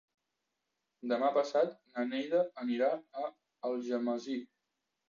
Demà passat na Neida anirà a Algemesí.